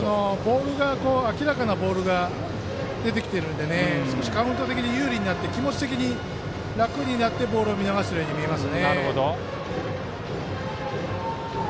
明らかなボールが出てきているので少しカウント的に有利になり気持ち的に楽になって、ボールを見逃しているように見えます。